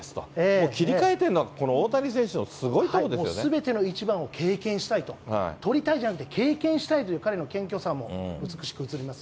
もう切り替えてんの、もうすべての一番を経験したいと、取りたいじゃなくて経験したいという彼の謙虚さも美しく映ります